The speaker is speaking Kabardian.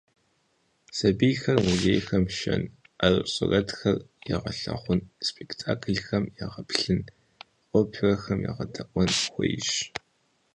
Сэбийхэр музейхэм шэн, ӏэрыщӏ сурэтхэр егъэлъэгъун, спектаклхэм егъэплъын, оперэхэм егъэдаӏуэн хуейщ.